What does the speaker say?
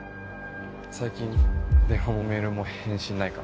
最近電話もメールも返信ないからさ。